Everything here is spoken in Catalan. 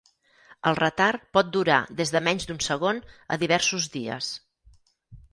El retard pot durar des de menys d'un segon a diversos dies.